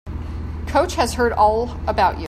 Coach has heard all about you.